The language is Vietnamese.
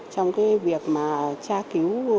trong cái việc mà tra cứu